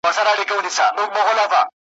بس پردی وم بس بی واکه وم له ځانه `